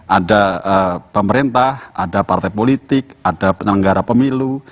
ada pemerintah ada partai politik ada penyelenggara pemilu